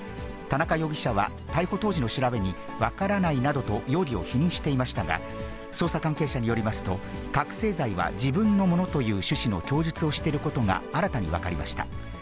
田中容疑者は逮捕当時の調べに、分からないなどと容疑を否認していましたが、捜査関係者によりますと、覚醒剤は自分のものという趣旨の供述をしていることが、新たに分かりました。